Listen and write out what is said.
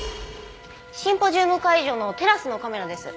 シンポジウム会場のテラスのカメラです。